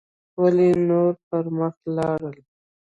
ولې نور پر مخ لاړل